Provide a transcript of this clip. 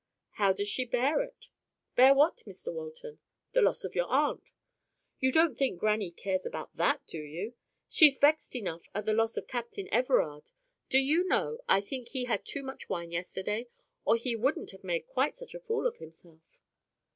"How does she bear it?" "Bear what, Mr Walton?" "The loss of your aunt." "You don't think grannie cares about that, do you! She's vexed enough at the loss of Captain Everard,—Do you know, I think he had too much wine yesterday, or he wouldn't have made quite such a fool of himself."